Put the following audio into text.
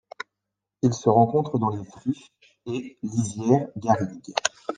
Il se rencontre dans les friches, haies, lisières, garrigues.